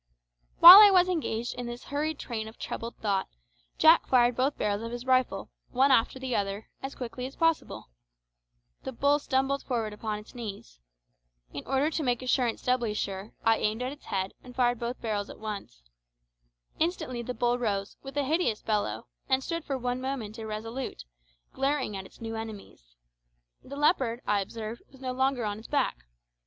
While I was engaged in this hurried train of troubled thought, Jack fired both barrels of his rifle, one after the other, as quickly as possible. The bull stumbled forward upon its knees. In order to make assurance doubly sure, I aimed at its head and fired both barrels at once. Instantly the bull rose, with a hideous bellow, and stood for one moment irresolute, glaring at its new enemies. The leopard, I observed, was no longer on its back.